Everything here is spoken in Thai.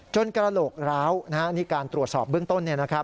กระโหลกร้าวนี่การตรวจสอบเบื้องต้น